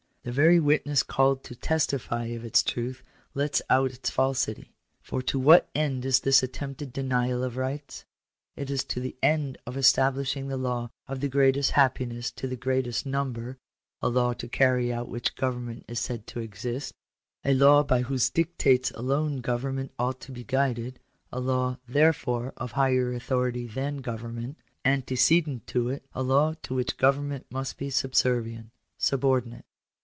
The very witness called to testify of its truth lets out its falsity. For to what end is this attempted denial of rights ? It is to the end of establishing the law of the greatest happiness to the greatest number — a law to carry out which government is said to exist — a law by whose dictates alone government ought to be guided — a law, therefore, of higher authority than government; antecedent to it — a law to which government must be subservient, subordinate.